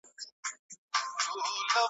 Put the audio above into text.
ته به ولي پر سره اور بریانېدلای .